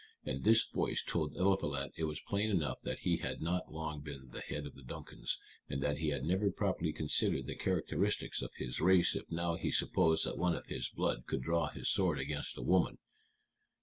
And this voice told Eliphalet it was plain enough that he had not long been the head of the Duncans, and that he had never properly considered the characteristics of his race if now he supposed that one of his blood could draw his sword against a woman.